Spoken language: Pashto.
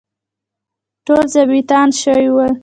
ټول ظابیطان شوي وو.